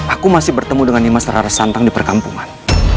aku masih bertemu dengan dimas rara santang di perkampungan